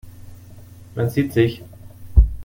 Man sieht sich.